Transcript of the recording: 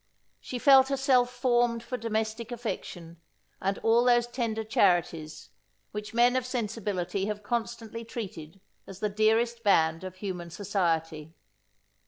She felt herself formed for domestic affection, and all those tender charities, which men of sensibility have constantly treated as the dearest band of human society.